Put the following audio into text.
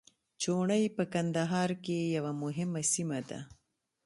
چوڼۍ په کندهار کي یوه مهمه سیمه ده.